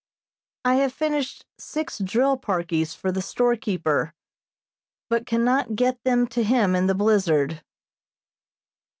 I have finished six drill parkies for the storekeeper, but cannot get them to him in the blizzard.